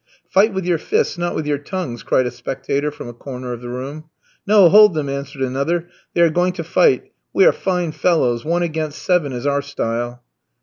"Fight with your fists, not with your tongues," cried a spectator from a corner of the room. "No, hold them," answered another, "they are going to fight. We are fine fellows, one against seven is our style."